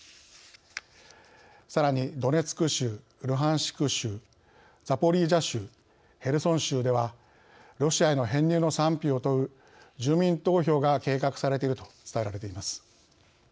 さらにドネツク州ルハンシク州ザポリージャ州ヘルソン州ではロシアへの編入の賛否を問う住民投票が計画されていると伝えられています。